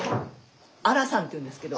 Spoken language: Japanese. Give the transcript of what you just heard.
荒さんっていうんですけど。